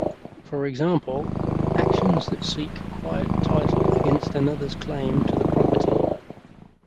For example, actions that seek quiet title against another's claim to the property.